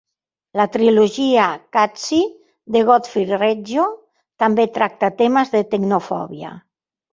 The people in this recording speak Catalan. La trilogia Qatsi de Godfrey Reggio també tracta temes de tecnofòbia.